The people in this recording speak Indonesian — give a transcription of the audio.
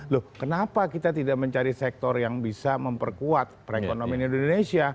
loh kenapa kita tidak mencari sektor yang bisa memperkuat perekonomian indonesia